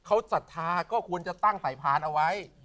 เขาศรัทธาก็ควรจะตั้งสายพานเอาไว้